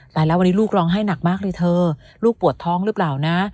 ตายแล้ววันนี้ลูกร้องไห้หนักมากเลยเธอลูกปวดท้องหรือเปล่านะ